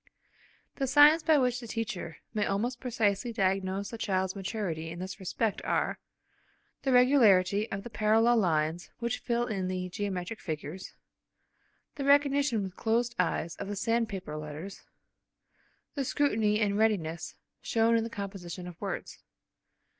The signs by which the teacher may almost precisely diagnose the child's maturity in this respect are: the regularity of the parallel lines which fill in the geometric figures; the recognition with closed eyes of the sandpaper letters; the security and readiness shown in the composition of words.